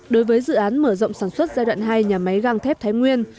đối với dự án mở rộng sản xuất giai đoạn hai nhà máy gang thép thái nguyên